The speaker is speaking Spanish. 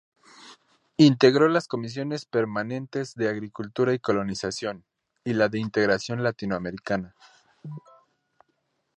Integró las Comisiones Permanentes de Agricultura y Colonización; y la de Integración Latinoamericana.